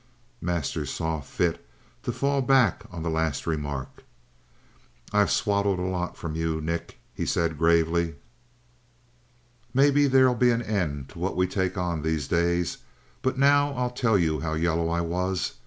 Masters saw fit to fall back on the last remark. "I've swallowed a lot from you, Nick," he said gravely. "Maybe there'll be an end to what we take one of these days. But now I'll tell you how yellow I was.